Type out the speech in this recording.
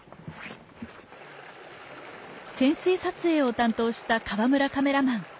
潜水撮影を担当した河村カメラマン。